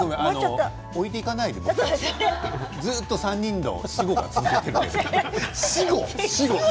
置いていかないでずっと３人で私語が続いているんだけど。